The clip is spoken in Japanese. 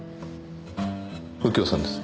右京さんです。